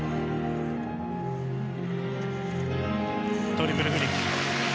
トリプルフリップ。